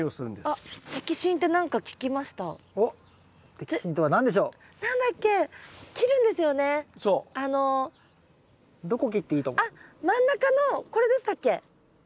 あっ真ん中のこれでしたっけ？